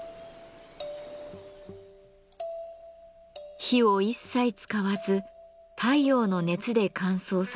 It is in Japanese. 火を一切使わず太陽の熱で乾燥させる完全天日塩。